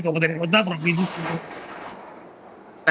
kompeten kota provinsi selesai